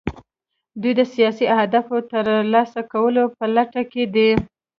دوی د سیاسي اهدافو د ترلاسه کولو په لټه کې دي